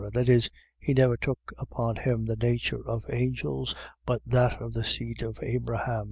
.That is, he never took upon him the nature of angels, but that of the seed of Abraham.